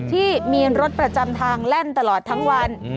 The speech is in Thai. ที่มีรถประจำทางแล่นตลอดทั้งวัน